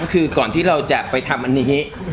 คือก่อนที่เราจะไปทำอันนี้